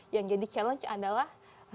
yang jadi challenge adalah